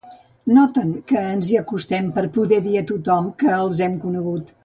Noten que ens hi acostem per poder dir a tothom que els hem conegut.